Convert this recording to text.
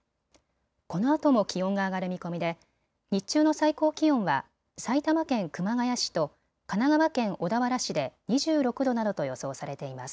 このあとも気温が上がる見込みで日中の最高気温は埼玉県熊谷市と神奈川県小田原市で２６度などと予想されています。